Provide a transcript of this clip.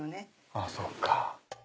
あそっか。